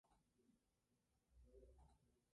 El ciervo grita con la voz de Rama para pedir ayuda.